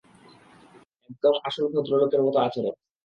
একদম আসল ভদ্রলোকের মতো আচরণ!